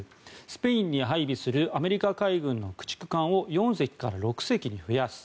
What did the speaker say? スペインに配備するアメリカ海軍の駆逐艦を４隻から６隻に増やす。